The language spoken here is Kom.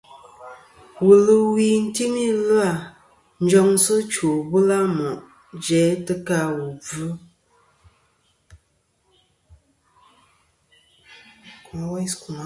Wulwi timi ɨ̀lvɨ-a njoŋsɨ chwò bula mo' jæ tɨ ka wu bvɨ.